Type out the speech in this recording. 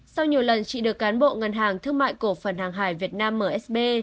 sau nhiều lần chị được cán bộ ngân hàng thương mại cổ phần hàng hải việt nam msb